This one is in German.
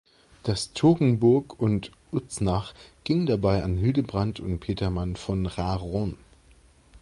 Das Toggenburg und Uznach gingen dabei an Hildebrand und Petermann von Raron.